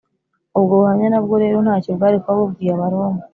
ubwo buhamya nabwo rero ntacyo bwari kuba bubwiye abaroma